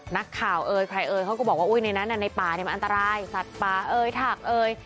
นักข่าวเอ่ยใครเอ่ยเขาก็บอกว่าอุ้ยในนั้นในป่าเนี่ยมันอันตรายสัตว์ป่าเอ่ยถักเอ่ย